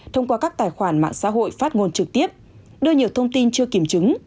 tài khoản mạng xã hội phát ngôn trực tiếp đưa nhiều thông tin chưa kiểm chứng